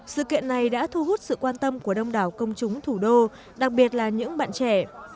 sự kiện này đã thu hút sự quan tâm của đông đảo công chúng thủ đô đặc biệt là những bạn trẻ